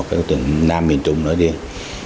và tỉnh nam miền trung nó riêng